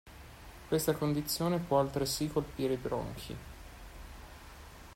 Questa condizione può altresì colpire i bronchi.